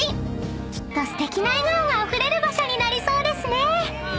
［きっとすてきな笑顔があふれる場所になりそうですね］